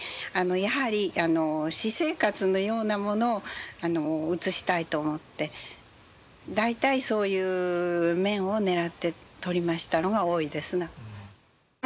やはり私生活のようなものを写したいと思って大体そういう面を狙って撮りましたのが多いですな。